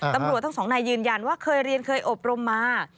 ตำรวจทั้งสองนายยืนยันว่าเคยเรียนเคยอบรมมา